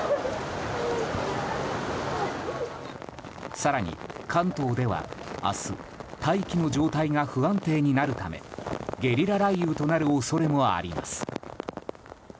更に関東では明日大気の状態が不安定になるためゲリラ雷雨となる恐れもあります。